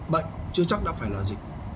bệnh chưa chắc đã phải là dịch